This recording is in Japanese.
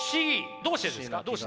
どうしてですか？